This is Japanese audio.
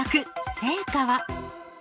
成果は。